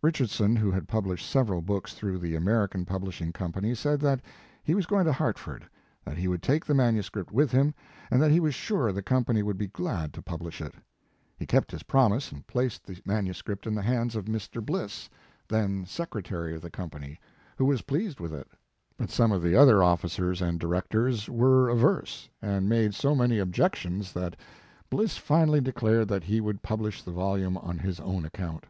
Richardson, who had published several books through the American Publishing Company, said that he was going to Hartford, that he would take the manu script with him, and that he was sure the company would be glad to publish it. He kept his promise and placed the man Mark Twain uscript in the hands of Mr. Bliss, then secretary of the company, who was pleased with it. But some of the other officers and directors were averse, and made so many objections that Bliss finally declared that he would publish the vol ume on his own account.